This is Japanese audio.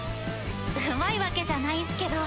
うまいわけじゃないんすけど。